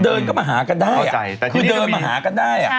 เดินก็มาหากันไก้